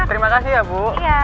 terima kasih ya bu